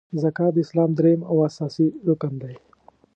زکات د اسلام دریم او اساسې رکن دی .